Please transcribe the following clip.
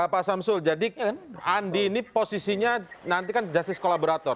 pak samsul jadi andi ini posisinya nanti kan justice kolaborator